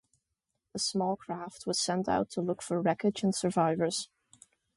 A small craft was sent out look for wreckage and survivors.